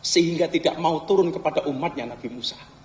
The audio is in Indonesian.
sehingga belum boleh penybaumkannya seseorang